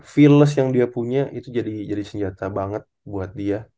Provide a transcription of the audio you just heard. feels yang dia punya itu jadi senjata banget buat dia